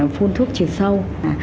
phun thuốc trừ sâu